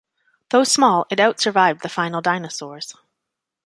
Though small, it outsurvived the final dinosaurs.